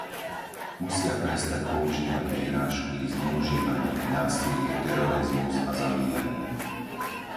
Musia prestať používať vyhrážky, zneužívanie, násilie, terorizmus a zabíjanie.